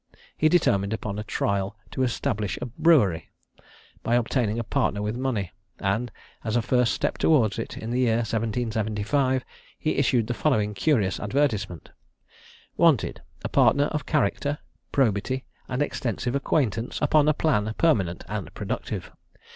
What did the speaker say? He determined upon a trial to establish a brewery, by obtaining a partner with money; and as a first step towards it, in the year 1775, he issued the following curious advertisement: "Wanted, A partner of character, probity, and extensive acquaintance, upon a plan permanent and productive.